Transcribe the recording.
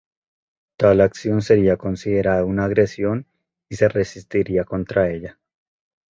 Tal acción sería considerada una agresión y se resistiría contra ella.